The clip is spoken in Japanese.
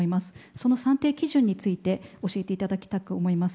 その算定基準について教えていただきたく思います。